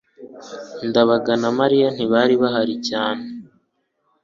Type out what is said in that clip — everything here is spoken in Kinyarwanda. ndabaga na mariya ntibari bahari cyane